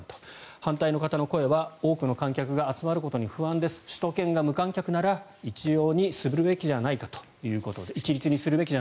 反対の方の声は、多くの観客が集まることに不安です首都圏が無観客なら一律にするべきじゃないかということです。